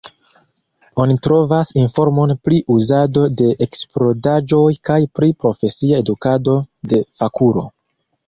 Oni trovas informon pri uzado de eksplodaĵoj kaj pri profesia edukado de fakulo.